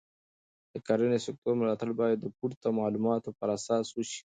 د کرنې سکتور ملاتړ باید د پورته معلوماتو پر اساس وشي.